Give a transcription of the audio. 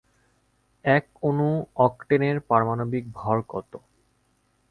এক অণু অক্টেনের পারমাণবিক ভর কত?